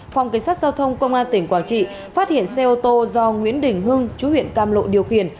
phòng cảnh sát giao thông công an tỉnh quảng trị phát hiện xe ô tô do nguyễn đình hưng chú huyện cam lộ điều khiển